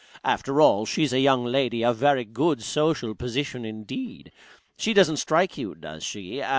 After all, she's a young lady of very good social position indeed. She doesn't strike you does she?